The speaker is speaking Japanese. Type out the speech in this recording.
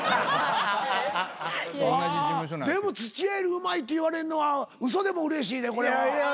でも土屋よりうまいって言われんのは嘘でもうれしいでこれは。